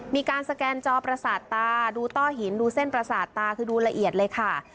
มีการสแกนจอประสาทตาดูต้อหินดูเส้นประสาทตาคือดูละเอียดเลยค่ะ